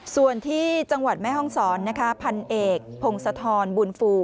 ส่วนที่จังหวัดแม่ห้องศรนะคะพันเอกพงศธรบุญฟู